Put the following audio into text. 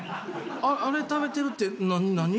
あれ食べてるって何？